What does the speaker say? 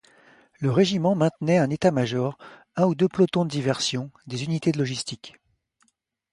Le régiment maintenait un état-major, un ou deux pelotons de diversion, des unités logistiques.